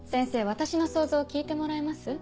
私の想像を聞いてもらえます？